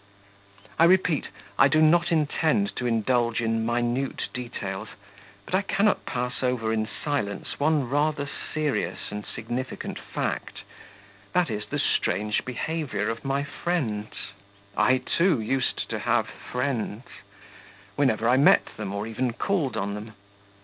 I repeat: I do not intend to indulge in minute details, but I cannot pass over in silence one rather serious and significant fact, that is, the strange behaviour of my friends (I too used to have friends) whenever I met them, or even called on them.